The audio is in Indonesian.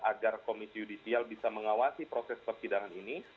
agar komisi yudisial bisa mengawasi proses persidangan ini